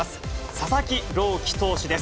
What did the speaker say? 佐々木朗希投手です。